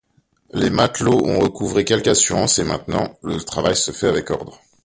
Les matelots ont recouvré quelque assurance, et, maintenant, le travail se fait avec ordre.